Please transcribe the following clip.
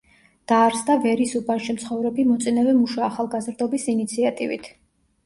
დაარსდა ვერის უბანში მცხოვრები მოწინავე მუშა-ახალგაზრდობის ინიციატივით.